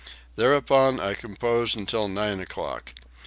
Thereupon I compose until nine o'clock.